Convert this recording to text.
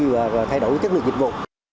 và thay đổi chất lượng dịch vụ